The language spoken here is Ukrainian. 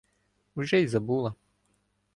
Вже й забула.